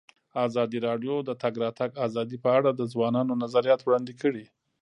ازادي راډیو د د تګ راتګ ازادي په اړه د ځوانانو نظریات وړاندې کړي.